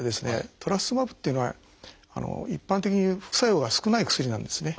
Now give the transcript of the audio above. トラスツズマブっていうのは一般的に副作用が少ない薬なんですね。